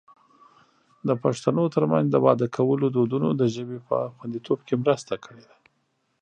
د پښتنو ترمنځ د واده کولو دودونو د ژبې په خوندیتوب کې مرسته کړې.